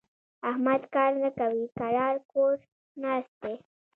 احمد کار نه کوي؛ کرار کور ناست دی.